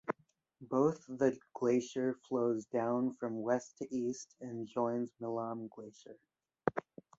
Both the glacier flows down from west to east and joins Milam Glacier.